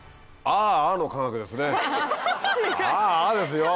「ああ」ですよ。